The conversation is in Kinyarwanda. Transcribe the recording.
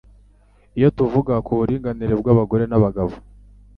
iyo tuvuga ku buringanire bw'abagore n'abagabo".